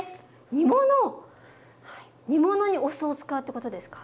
煮物⁉煮物にお酢を使うってことですか？